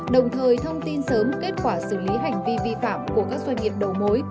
đồng thời thông tin sớm kết quả xử lý hành vi vi phạm của các doanh nghiệp đầu mối